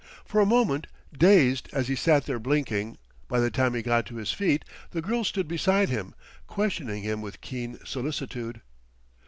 For a moment dazed he sat there blinking; by the time he got to his feet, the girl stood beside him, questioning him with keen solicitude.